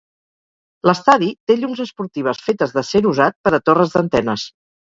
L'estadi té llums esportives fetes d'acer usat per a torres d'antenes.